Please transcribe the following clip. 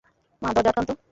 মা, দরজা আটকান তো।